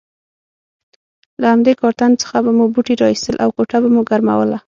له همدې کارتن څخه به مو بوټي را اخیستل او کوټه به مو ګرموله.